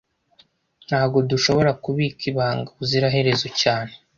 Ntago dushobora kubika ibanga ubuziraherezo cyane